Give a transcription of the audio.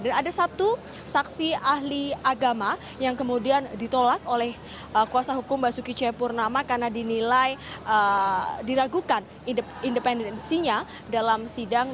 dan ada satu saksi ahli agama yang kemudian ditolak oleh kuasa hukum basuki cepurnama karena dinilai diragukan independensinya dalam sidang